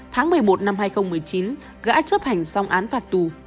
tháng một mươi một năm hai nghìn một mươi chín gã chấp hành xong án phạt tù